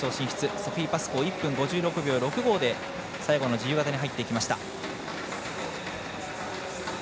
ソフィー・パスコー１分５６秒６５で最後の自由形に入っていきました。